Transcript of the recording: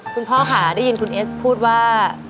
คุณพ่อค่ะได้ยินคุณเอสพูดว่า